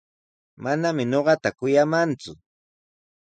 Manami ñuqata kuyamanku.